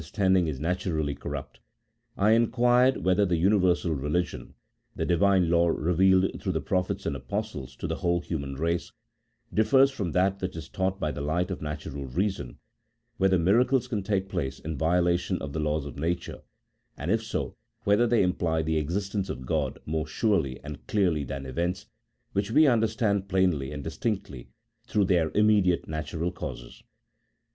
9 standing is naturally corrupt, I inquired whether the Uni versal Religion, the Divine Law revealed through the Pro phets and Apostles to the whole human race, differs from that which is taught by the light of natural reason, whether miracles can take place in violation of the laws of nature, and if so, whether they imply the existence of God more surely and clearly than events, which we understand plainly and distinctly through their immediate natural causes.